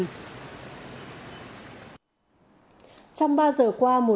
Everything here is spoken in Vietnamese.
trong ba giờ qua một số